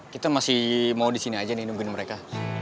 kita masih mau disini aja nih nungguin mereka